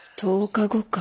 １０日後か。